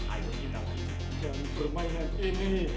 ayo kita mencari permainan ini